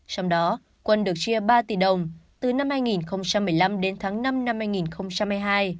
trong đó quân được chia ba tỷ đồng từ năm hai nghìn một mươi năm đến tháng năm năm hai nghìn hai mươi hai